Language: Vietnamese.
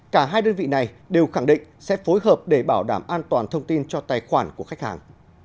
cả hai đơn vị này đều khẳng định sẽ phối hợp để bảo đảm an toàn thông tin cho tài khoản của khách hàng